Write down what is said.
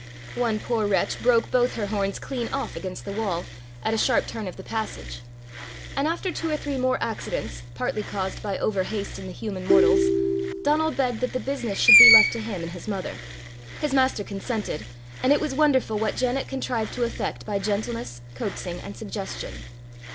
One poor wretch broke both her horns clean off against the wall, at a sharp turn of the passage; and after two or three more accidents, partly caused by over haste in the human mortals, Donal begged that the business should be left to him and his mother. His master consented, and it was wonderful what Janet contrived to effect by gentleness, coaxing, and suggestion.